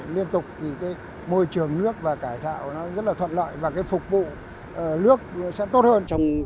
liên tục môi trường nước và cải thạo nó rất là thuận lợi và phục vụ nước sẽ tốt hơn